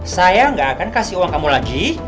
saya gak akan kasih uang kamu lagi